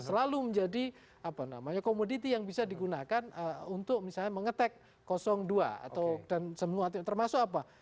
selalu menjadi apa namanya komoditi yang bisa digunakan untuk misalnya mengetek dua atau dan semua termasuk apa